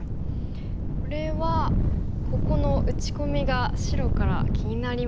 これはここの打ち込みが白から気になりますが。